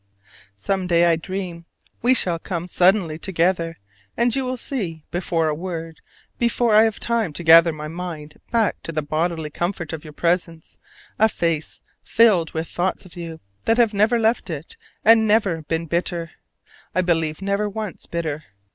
Some day, I dream, we shall come suddenly together, and you will see, before a word, before I have time to gather my mind back to the bodily comfort of your presence, a face filled with thoughts of you that have never left it, and never been bitter: I believe never once bitter.